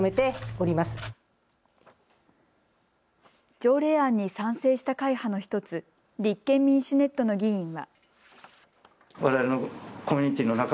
条例案に賛成した会派の１つ、立憲民主ネットの議員は。